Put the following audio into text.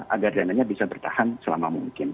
agar dana nya bisa bertahan selama mungkin